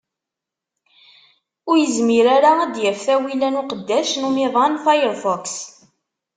Ur yezmir ara ad d-yaf tawila n uqeddac n umiḍan Firefox.